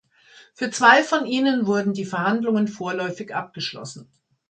Für zwei von ihnen wurden die Verhandlungen vorläufig abgeschlossen.